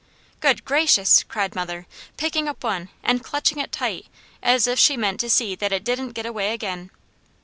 '" "Good gracious!" cried mother, picking up one and clutching it tight as if she meant to see that it didn't get away again.